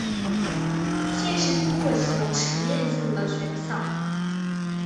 现时通过启用实验性的选项。